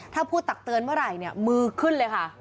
ถ้าพูดตักเตือนเมื่อไหร่เนี่ยมือขึ้นเลยค่ะ